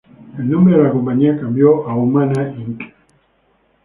El nombre de la compañía cambió a Humana Inc.